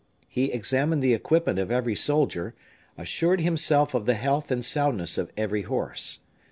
He examined the equipment of every soldier; assured himself of the health and soundness of every horse.